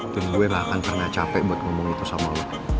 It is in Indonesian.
dan gue gak akan pernah capek buat ngomong itu sama lo